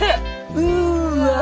うわ！